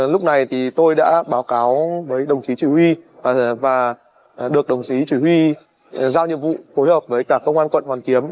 lúc này thì tôi đã báo cáo với đồng chí chỉ huy và được đồng chí chủ huy giao nhiệm vụ phối hợp với cả công an quận hoàn kiếm